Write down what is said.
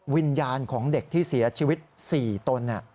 วิญญาณของเด็กที่เสียชีวิต๔ตน